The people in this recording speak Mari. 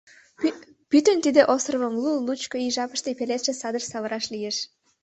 “Пӱтынь тиде островым лу-лучко ий жапыште пеледше садыш савыраш лиеш...”